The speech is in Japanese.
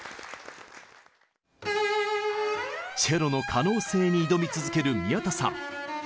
チェロの可能性に挑み続ける宮田さん。